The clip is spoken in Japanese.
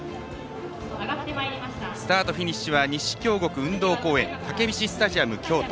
スタート、フィニッシュは西京極運動公園たけびしスタジアム京都。